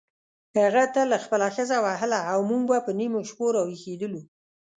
هغه تل خپله ښځه وهله او موږ به په نیمو شپو راویښېدلو.